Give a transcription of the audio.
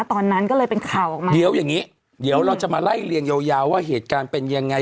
ตอนนั้นก็เลยเป็นข่าวออกมาเดี๋ยวอย่างนี้เดี๋ยวเราจะมาไล่เรียงยาวยาวว่าเหตุการณ์เป็นยังไง